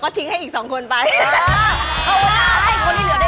หมวกปีกดีกว่าหมวกปีกดีกว่า